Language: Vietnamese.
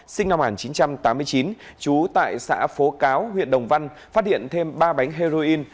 sinh năm một nghìn chín trăm tám mươi chín trú tại xã phố cáo huyện đồng văn phát hiện thêm ba bánh heroin